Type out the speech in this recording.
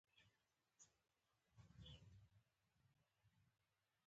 ابن بطوطه به یا عالم و او یا به یې دعوه کړې.